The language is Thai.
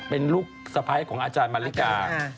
เป็นลูกสะพ้ายของอาจารย์มาริกา